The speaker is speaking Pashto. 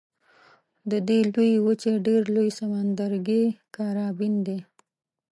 د دې لویې وچې ډېر لوی سمندرګی کارابین دی.